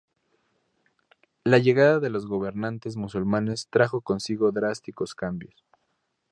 La llegada de los gobernantes musulmanes trajo consigo drásticos cambios.